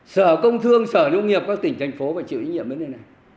sở công thương sở nông nghiệp các tỉnh thành phố phải chịu ý nhiệm đến đây này